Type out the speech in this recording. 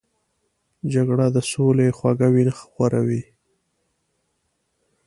جګړه د سولې خوږه وینه خوري